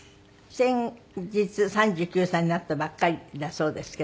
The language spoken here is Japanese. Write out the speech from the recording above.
先日３９歳になったばっかりだそうですけど。